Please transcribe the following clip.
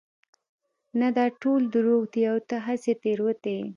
نه دا ټول دروغ دي او ته هسې تېروتي يې